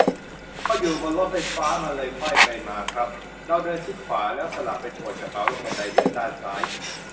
พออยู่บนรถไฟฟ้า มันเลยไขว้ไปมาครับ เราเดินชิดขวา แล้วสลับไปตรวจกระเป๋าลงบันไดเลื่อนด้านซ้าย